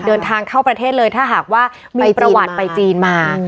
เดินทางเข้าประเทศเลยถ้าหากว่ามีประวัติไปจีนมา